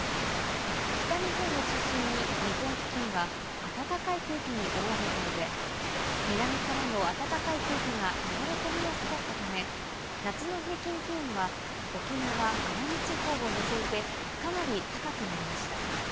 北日本を中心に日本付近は暖かい空気に覆われたうえ、南からの暖かい空気が流れ込みやすかったため、夏の平均気温は沖縄・奄美地方を除いて、かなり高くなりました。